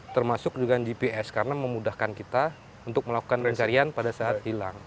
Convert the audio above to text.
termasuk juga gps karena memudahkan kita untuk melakukan pencarian pada saat hilang